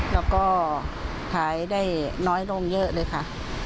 แล้วก็ขายได้น้อยลงเยอะเลยค่ะ